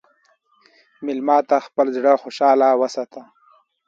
مېلمه ته خپل زړه خوشحال وساته.